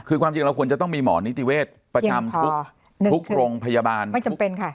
คือความจริงเราควรจะต้องมีหมอนิติเวศประจำทุกโรงพยาบาลไม่จำเป็นค่ะ